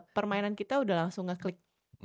permainan kita udah langsung ngeklik